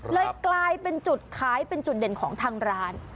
เลยกลายเป็นจุดขายเป็นจุดเด่นของทางร้าน